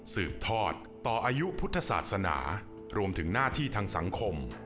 สืบทอดต่ออายุพุทธศาสนารวมถึงหน้าที่ทางสังคม